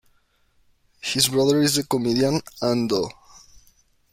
His brother is the comedian Anh Do.